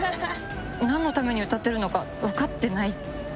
何のために歌ってるのか分かってないって。